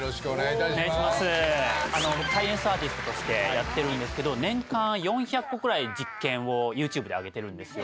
あのサイエンスアーティストとしてやってるんですけど年間４００個ぐらい実験をＹｏｕＴｕｂｅであげてるんですよ。